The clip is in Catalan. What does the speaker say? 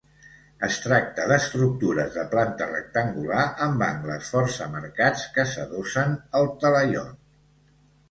Es tracta d’estructures de planta rectangular amb angles força marcats que s'adossen al talaiot.